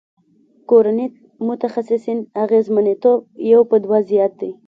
کورني متخصصین اغیزمنتوب یو په دوه زیات دی.